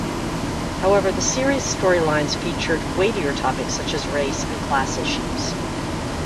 However, the series' story lines featured weightier topics such as race and class issues.